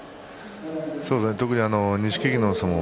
特に錦木の相撲